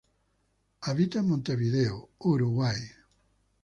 Habita en Montevideo, Paraguay.